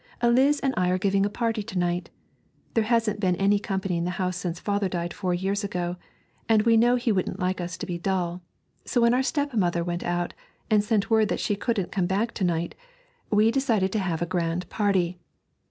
Eliz and I are giving a party to night. There hasn't been any company in the house since father died four years ago, and we know he wouldn't like us to be dull, so when our stepmother went out, and sent word that she couldn't come back to night, we decided to have a grand party.